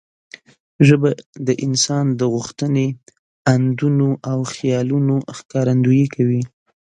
ژبه د انسان د غوښتنې، اندونه او خیالونو ښکارندويي کوي.